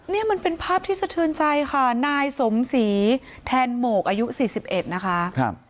นี่มันเป็นภาพที่สะเทือนใจค่ะนายสมศรีแทนโหมกอายุ๔๑นะคะ